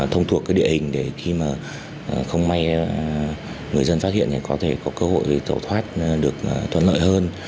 thông thuộc địa hình để khi mà không may người dân phát hiện thì có thể có cơ hội tẩu thoát được thuận lợi hơn